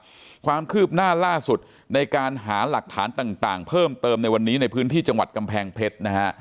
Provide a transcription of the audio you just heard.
ความคืบหน้าล่าสุดในการหาหลักฐานต่างเพิ่มเติมในวันนี้ในพื้นที่จังหวัดกำแพงเพชรนะฮะ